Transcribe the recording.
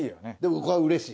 僕はうれしい。